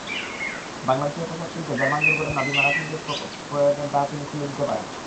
বাংলাদেশের পোশাকশিল্পে জার্মান দুর্ঘটনা বিমার আংশিক প্রয়োগের দ্বার তিনি খুলে দিতে পারেন।